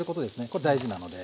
これ大事なので。